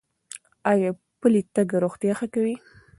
ایا پلی تګ روغتیا ښه کوي؟